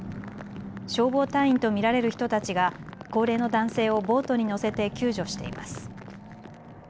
消防隊員と見られる人たちが高齢の男性をボートに乗せて救助しています。